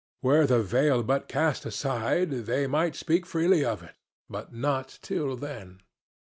Were the veil but cast aside, they might speak freely of it, but not till then.